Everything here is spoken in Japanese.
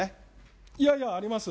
いやいや、あります。